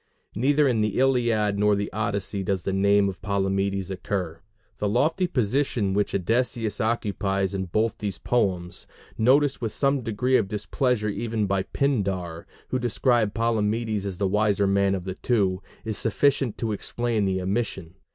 Neither in the Iliad nor the Odyssey does the name of Palamedes occur; the lofty position which Odysseus occupies in both those poems noticed with some degree of displeasure even by Pindar, who described Palamedes as the wiser man of the two is sufficient to explain the omission.